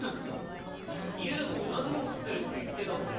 家でも同じもん食ってるって言ってたんで今頃は。